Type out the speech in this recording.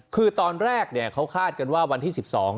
คือตอนแรกเนี่ยเขาคาดกันว่าวันที่สิบสอง